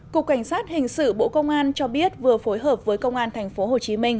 cục cảnh sát hình sự bộ công an cho biết vừa phối hợp với công an thành phố hồ chí minh